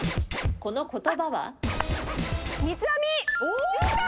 この言葉は？